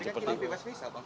tapi kan kilih bebas visa bang